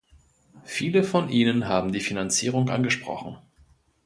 Viele von Ihnen haben die Finanzierung angesprochen.